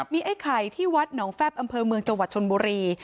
มีไอ้ไข่ที่วัดหนองแฟบอำเภอเมืองจังหวัดชนบุรี